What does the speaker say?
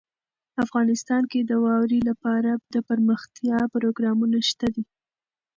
افغانستان کې د واورې لپاره دپرمختیا پروګرامونه شته دي.